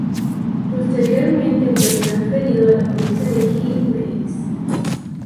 Posteriormente fue transferido a la provincia de Huamalíes.